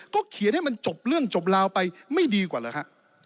เขียนให้มันจบเรื่องจบราวไปไม่ดีกว่าเหรอฮะ